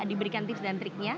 diberikan tips dan triknya